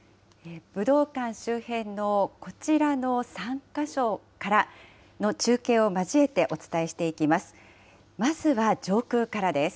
武道館周辺のこちらの３か所からの中継を交えてお伝えしていきます。